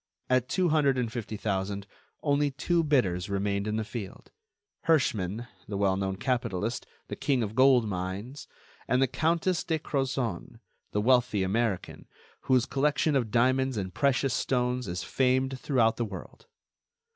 At two hundred and fifty thousand, only two bidders remained in the field: Herschmann, the well known capitalist, the king of gold mines; and the Countess de Crozon, the wealthy American, whose collection of diamonds and precious stones is famed throughout the world.